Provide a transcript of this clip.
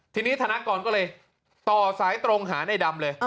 ทีนี้ธนากรก็เลยต่อสายตรงหาในดำเลย